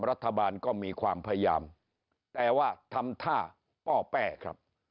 รัฐบาลก็มีความพยายามแต่ว่าทำท่าป้อแป้ครับ